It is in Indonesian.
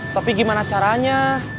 tapi gimana caranya